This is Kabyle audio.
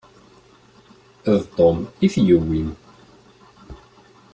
D Tom i t-yewwin.